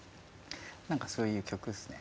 何かそういう曲っすね。